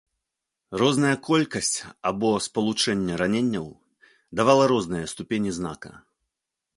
Розная колькасць або спалучэнне раненняў давала розныя ступені знака.